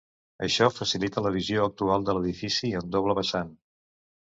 Això facilita la visió actual de l'edifici en doble vessant.